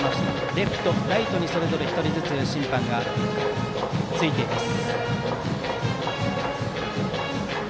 レフト、ライトにそれぞれ１人ずつ審判がついています。